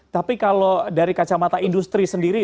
tapi kalau dari kacamata industri sendiri